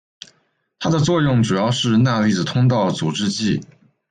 它的作用主要是钠离子通道阻滞剂。